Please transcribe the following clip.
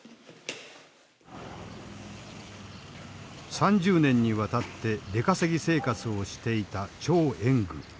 ３０年にわたって出稼ぎ生活をしていた張延軍。